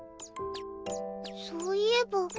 そういえば。